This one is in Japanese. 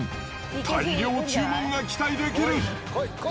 大量注文が期待できる。